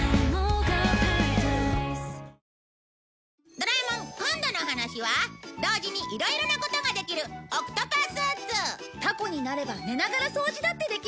『ドラえもん』今度のお話は同時にいろいろなことができるオクトパスーツタコになれば寝ながら掃除だってできるんだ